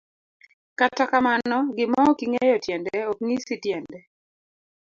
Kata kamano, gima okingeyo tiende ok ng'isi tiende.